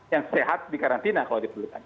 yang sehat dikarantina kalau diperlukan